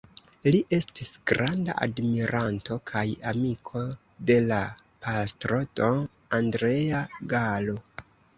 Li estis granda admiranto kaj amiko de la pastro Don Andrea Gallo.